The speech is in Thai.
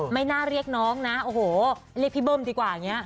ไม่น่าเรียกน้องนะโอ้โหเรียกพี่เบิ้มดีกว่าอย่างนี้